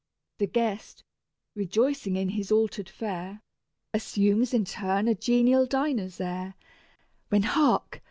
The guest, rejoicing in his altered fare, Assumes in turn a genial diner's air, When hark!